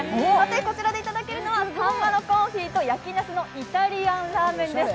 こちらでいただけるのは、サンマのコンフィと焼き茄子の出汁香るイタリアンラーメンです。